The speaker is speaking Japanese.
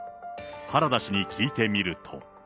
原田氏に聞いてみると。